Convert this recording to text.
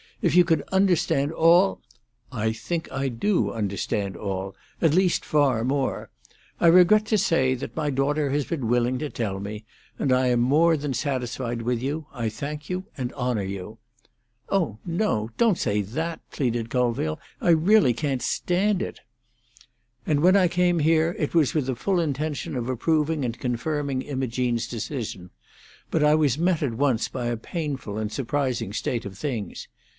If you could understand all—" "I think I do understand all—at least far more, I regret to say, than my daughter has been willing to tell me. And I am more than satisfied with you. I thank you and honour you." "Oh no; don't say that," pleaded Colville. "I really can't stand it." "And when I came here it was with the full intention of approving and confirming Imogene's decision. But I was met at once by a painful and surprising state of things.